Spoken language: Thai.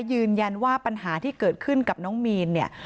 ยืนยันว่าปัญหาที่เกิดขึ้นกับน้องมีนเนี่ย